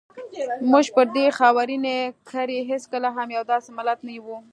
موږ پر دې خاورینې کرې هېڅکله هم یو داسې ملت نه وو.